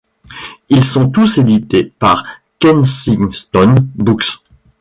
Ils sont tous édités par Kensington Books.